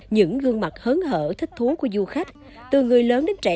những gương mặt hớn hở thích thú của du khách từ người lớn đến trẻ